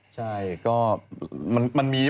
ใช่ก็มันมี